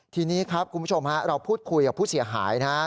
ทีนี้ครับคุณผู้ชมฮะเราพูดคุยกับผู้เสียหายนะฮะ